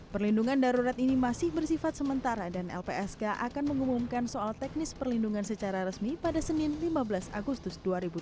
perlindungan darurat ini masih bersifat sementara dan lpsk akan mengumumkan soal teknis perlindungan secara resmi pada senin lima belas agustus dua ribu dua puluh